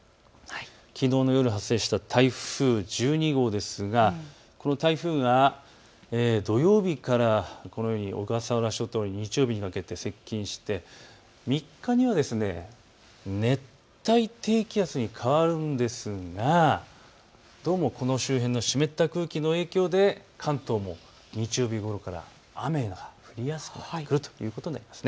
きのうの夜発生した台風１２号ですが台風が土曜日からこのように小笠原諸島、日曜日にかけて接近して３日には熱帯低気圧に変わるんですがどうもこの周辺の湿った空気の影響で関東も日曜日ごろから雨が降りやすくなってくるということになります。